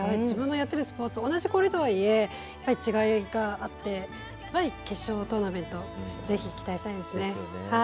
自分のやってるスポーツと同じ氷とはいえ違いがあってやはり決勝トーナメントぜひ期待したいですね。